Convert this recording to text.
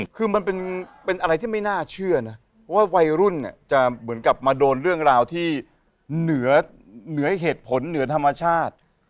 คือมันเป็นอะไรที่ไม่น่าเชื่อนะว่าวัยรุ่นจะเหมือนกับมาโดนเรื่องราวที่เหนือเหตุผลเหนือธรรมชาติ